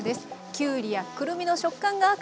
きゅうりやくるみの食感がアクセント。